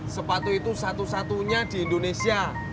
sepatu itu satu satunya di indonesia